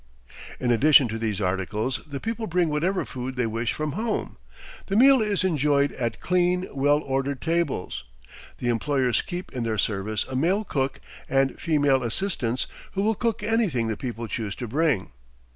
In addition to these articles, the people bring whatever food they wish from home. The meal is enjoyed at clean, well ordered tables. The employers keep in their service a male cook and female assistants, who will cook anything the people choose to bring.